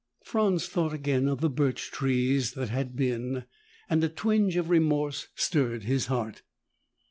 Franz thought again of the birch trees that had been and a twinge of remorse stirred his heart.